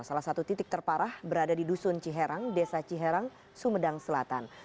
salah satu titik terparah berada di dusun ciherang desa ciherang sumedang selatan